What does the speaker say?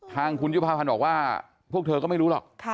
ทางคุณยุภาพันธ์บอกว่าพวกเธอก็ไม่รู้หรอก